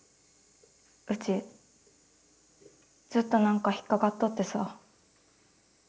うちずっと何か引っ掛かっとってさ。